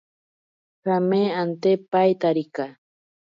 Tsame ante paitarika.